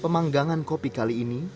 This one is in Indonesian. pemanggangan kopi kali ini